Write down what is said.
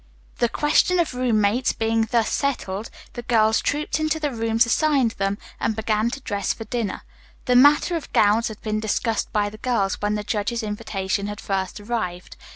The question of roommates being thus settled, the girls trooped into the rooms assigned them and began to dress for dinner. The matter of gowns had been discussed by the girls when the judge's invitation had first arrived.